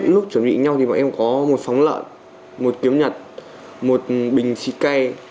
lúc chuẩn bị nhau thì bọn em có một phóng lợn một kiếm nhật một bình xịt cây